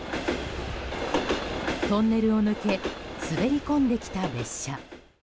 トンネルを抜け滑り込んできた列車。